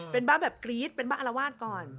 เป็นบ้าแบบกรี๊ดเป็นบ้าอารวาสก่อน